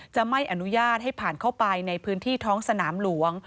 จะไม่อนุญาตให้ผ่านเข้าไปในพื้นที่ท้องสนามหลวง